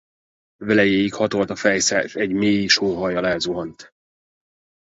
Velejéig hatolt a fejsze, s egy mély sóhajjal elzuhant.